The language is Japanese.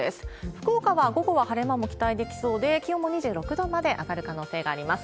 福岡は午後は晴れ間も期待できそうで、気温も２６度まで上がる可能性があります。